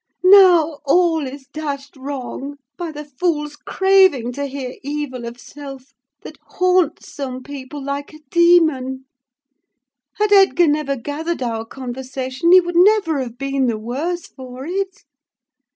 Now all is dashed wrong; by the fool's craving to hear evil of self, that haunts some people like a demon! Had Edgar never gathered our conversation, he would never have been the worse for it.